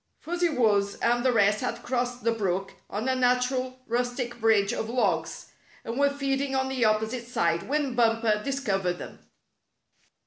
Fuzzy Wuzz and the rest had crossed the brook on a natural rustic bridge of logs, and were feeding on the opposite side when Bumper discovered them.